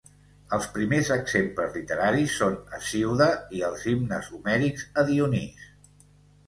Els primers exemples literaris són Hesíode i els Himnes homèrics a Dionís.